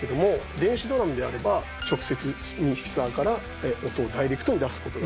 電子ドラムであれば直接ミキサーから音をダイレクトに出す事ができる。